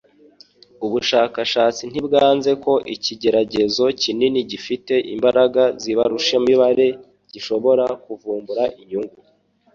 Ubushakashatsi ntibwanze ko ikigeragezo kinini gifite imbaraga z’ibarurishamibare gishobora kuvumbura inyungu